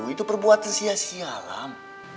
itu perbuatan sia sia alham